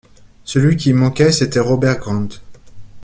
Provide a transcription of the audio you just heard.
Celui qui manquait, c’était Robert Grant.